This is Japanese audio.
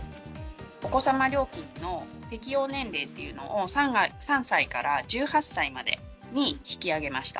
お子様料金の適用年齢っていうのを、３歳から１８歳までに引き上げました。